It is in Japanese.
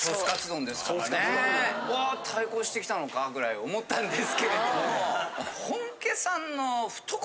対抗してきたのかぁぐらい思ったんですけれども。